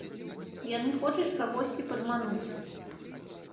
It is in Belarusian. Яны хочуць кагосьці падмануць?